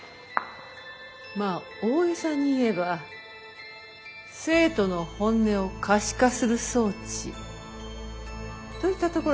まあ大げさに言えば生徒の本音を可視化する装置といったところでしょうか。